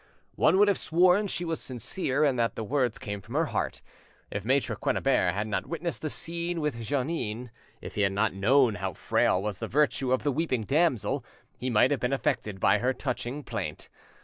One would have sworn she was sincere and that the words came from her heart. If Maitre Quennebert had not witnessed the scene with Jeannin, if he had not known how frail was the virtue of the weeping damsel, he might have been affected by her touching plaint.